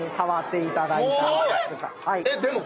でも。